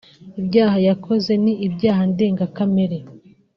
Ibyaha yakoze ni ibyaha ndengakamere